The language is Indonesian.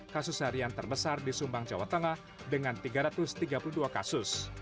kasus harian terbesar di sumbang jawa tengah dengan tiga ratus tiga puluh dua kasus